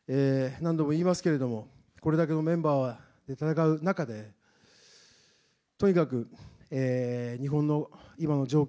何度も言いますがこれだけのメンバーで戦う中でとにかく日本の今の状況